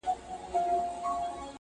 ويل باز به وي حتماً خطا وتلى.!